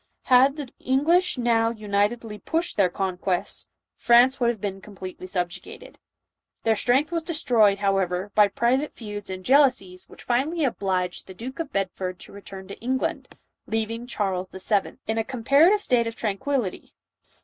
Ilad the English now unitedly pushed their conquests, France would have been completely subjugated. Their strength was destroyed, however, by private feuds and jealousies which finally obliged the Duke of Bedford to return to England, leaving Charles VII. in a com parative state of tranquillity.